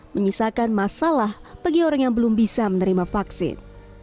menyisakan masalah bagi orang yang belum bisa menerima vaksin